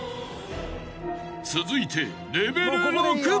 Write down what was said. ［続いて］